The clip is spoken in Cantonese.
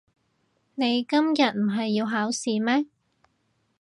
你今日唔係要考試咩？